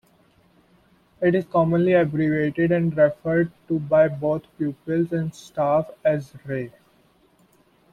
It is commonly abbreviated and referred to by both pupils and staff as 'Rye'.